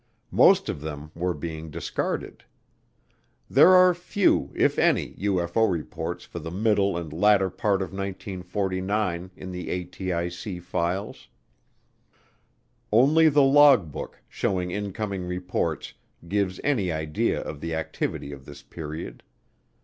Most of them were being discarded. There are few, if any, UFO reports for the middle and latter part of 1949 in the ATIC files. Only the logbook, showing incoming reports, gives any idea of the activity of this period.